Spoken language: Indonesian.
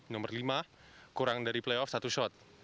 nomor lima kurang dari playoff satu shot